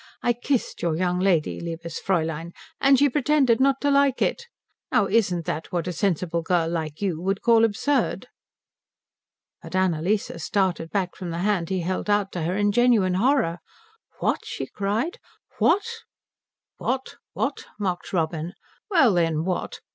I kissed your young lady, liebes Fräulein, and she pretended not to like it. Now isn't that what a sensible girl like you would call absurd?" But Annalise started back from the hand he held out to her in genuine horror. "What?" she cried, "What?" "What? What?" mocked Robin. "Well then, what?